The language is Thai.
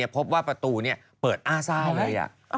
พบว่าประตูเปิดอ้าซ่าเลย